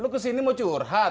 lo kesini mau curhat